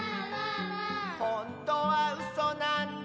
「ほんとはうそなんだ」